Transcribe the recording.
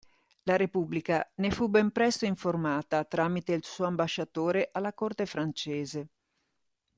La Repubblica ne fu ben presto informata tramite il suo ambasciatore alla corte francese.